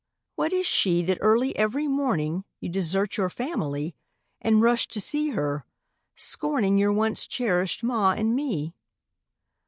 What is she That early every morning You desert your family And rush to see her, scorning Your once cherished ma and me?